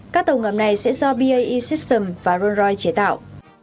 các tàu ngầm này sẽ do bae systems và rolls royce chế tạo